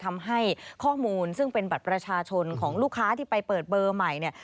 ทำให้ข้อมูลซึ่งเป็นบัตรประชาชนของลูกค้าที่ไปเปิดเบอร์ใหม่เนี่ย